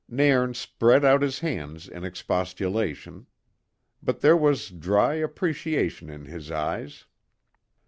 Nairn spread out his hands in expostulation, but there was dry appreciation in his eyes.